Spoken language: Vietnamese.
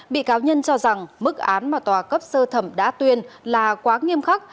bị cáo nhân cho rằng mức án mà tòa cấp sơ thẩm đã tuyên là quá nghiêm khắc